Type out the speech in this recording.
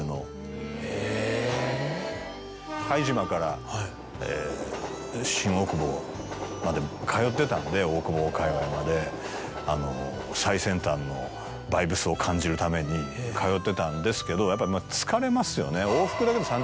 拝島から新大久保まで通ってたんで大久保かいわいまで。を感じるために通ってたんですけどやっぱり疲れますよね。